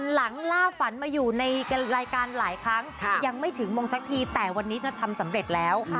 ล่าฝันมาอยู่ในรายการหลายครั้งยังไม่ถึงมงสักทีแต่วันนี้เธอทำสำเร็จแล้ว